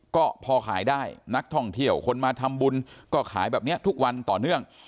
ก็พอขายได้นักท่องเที่ยวคนมาทำบุญก็ขายแบบนี้ทุกวันต่อเนื่อง